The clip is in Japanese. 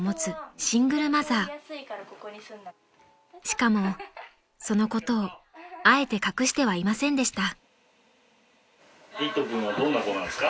［しかもそのことをあえて隠してはいませんでした］